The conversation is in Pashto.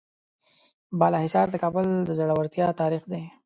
بالاحصار د کابل د زړورتیا تاریخ ده.